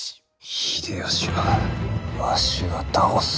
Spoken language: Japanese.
秀吉はわしが倒す。